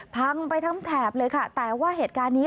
พังไปทั้งแถบเลยค่ะแต่ว่าเหตุการณ์นี้